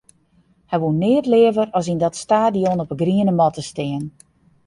Hy woe neat leaver as yn dat stadion op 'e griene matte stean.